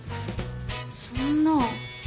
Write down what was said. そんな。